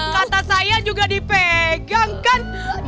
kata saya juga dipegang kan